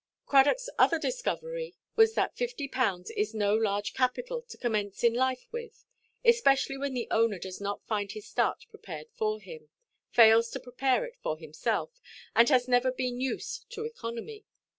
Cradockʼs other discovery was that 50_l._ is no large capital to commence in life with, especially when the owner does not find his start prepared for him; fails to prepare it for himself; and has never been used to economy.